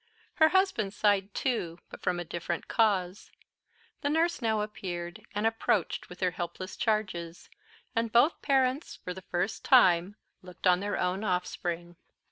Her husband sighed too; but from a different cause. The nurse now appeared, and approached with her helpless charges; and both parents, for the first time looked on their own offspring.